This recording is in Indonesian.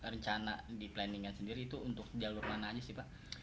rencana di planningnya sendiri itu untuk jalur mana aja sih pak